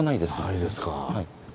ないですか。